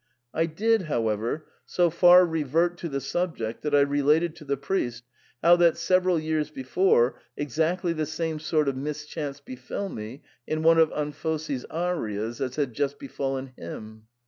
I did, however, so far revert to the subject that I related to the priest how that, several years before, exactly tlie same sort of mischance befell me in one of Anfossi's arias as had just befallen him.